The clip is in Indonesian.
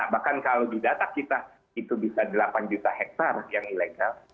bahkan kalau di data kita itu bisa delapan juta hektare yang ilegal